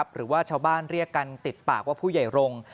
หรือว่าชาวบ้านเรียกกันติดปากว่าผู้ใหญ่รงค์